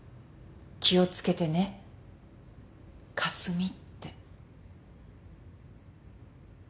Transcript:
気をつけてねかすみ」って。